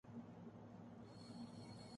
خواجہ سعدرفیق پھر غصہ کس پہ نکالیں گے؟